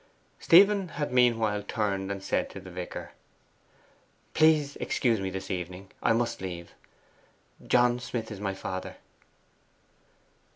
Stephen had meanwhile turned and said to the vicar: 'Please excuse me this evening! I must leave. John Smith is my father.